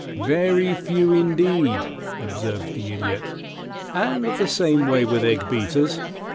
"Very few, indeed," observed the Idiot. "And the same way with egg beaters.